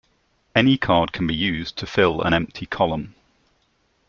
Any card can be used to fill an empty column.